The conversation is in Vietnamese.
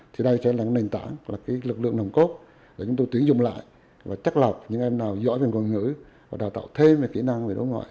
thì đây sẽ là nền tảng là cái lực lượng nồng cốt để chúng tôi tuyển dụng lại và chắc lọc những em nào giỏi về ngôn ngữ và đào tạo thêm về kỹ năng về đối ngoại